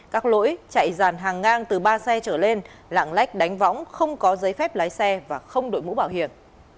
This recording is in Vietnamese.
các lỗi chạy dàn hàng ngang từ ba xe trở lên lạng lách đánh võng không có giấy phép lái xe và không đổi mũ bảo hiểm